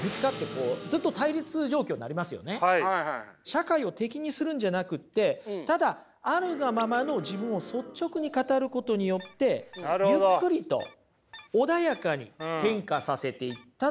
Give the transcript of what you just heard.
社会を敵にするんじゃなくってただあるがままの自分を率直に語ることによってゆっくりと穏やかに変化させていったということなんですね。